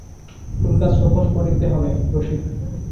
ফুলগাছ রোপণ করতে হবে– রসিক।